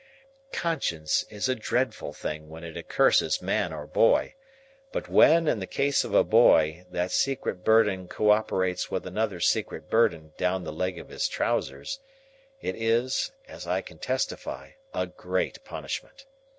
Conscience is a dreadful thing when it accuses man or boy; but when, in the case of a boy, that secret burden co operates with another secret burden down the leg of his trousers, it is (as I can testify) a great punishment.